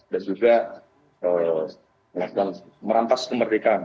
dan juga merantas pemeriksaan